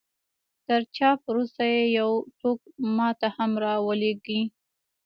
تر چاپ وروسته يې يو ټوک ما ته هم را ولېږئ.